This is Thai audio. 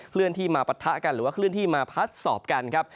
เลื่อนที่มาปะทะกันหรือว่าเคลื่อนที่มาพัดสอบกันครับ